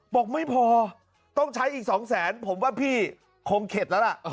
บอกไม่พอต้องใช้อีก๒แสนผมว่าพี่คงเข็ดแล้วล่ะ